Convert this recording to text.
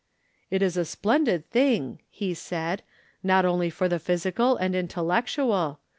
"It is a splendid thing," he said, "not only for the physical and intellectual.